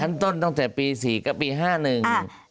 ชั้นต้นตั้งแต่ปี๔กับปี๕นึง